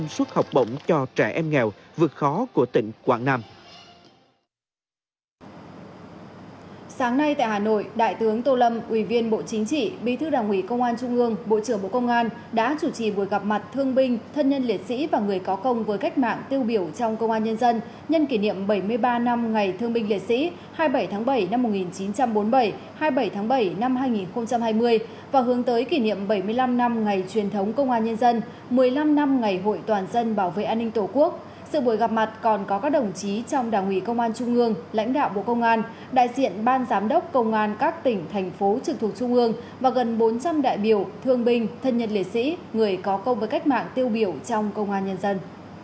sự buổi gặp mặt còn có các đồng chí trong đảng ủy công an trung ương lãnh đạo bộ công an đại diện ban giám đốc công an các tỉnh thành phố trực thuộc trung ương và gần bốn trăm linh đại biểu thương binh thân nhân liệt sĩ người có công với cách mạng tiêu biểu trong công an nhân dân